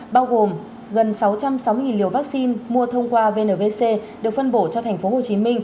bao gồm gần sáu trăm sáu mươi liều vaccine mua thông qua vnvc được phân bổ cho tp hcm